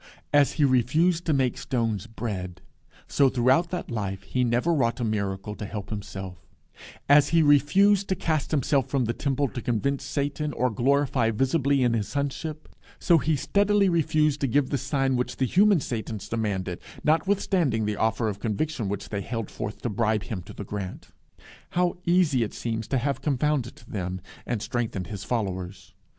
As he refused to make stones bread, so throughout that life he never wrought a miracle to help himself; as he refused to cast himself from the temple to convince Satan or glory visibly in his Sonship, so he steadily refused to give the sign which the human Satans demanded, notwithstanding the offer of conviction which they held forth to bribe him to the grant. How easy it seems to have confounded them, and strengthened his followers!